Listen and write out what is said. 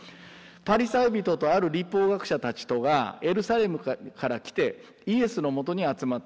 パリサイ人とある律法学者たちとがエルサレムから来てイエスのもとに集まった。